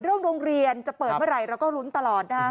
เรื่องโรงเรียนจะเปิดเมื่อไหร่เราก็รุ้นตลอดนะ